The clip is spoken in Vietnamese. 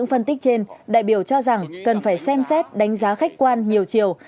phân tích trên đại biểu cho rằng cần phải xem xét đánh giá khách quan nhiều chiều